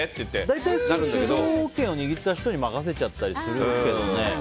大体主導権を握った人に任せちゃったりするけどね。